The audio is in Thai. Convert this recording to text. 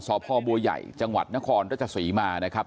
สพบัวใหญ่จังหวัดนครราชศรีมานะครับ